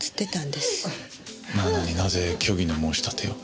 なのになぜ虚偽の申し立てを？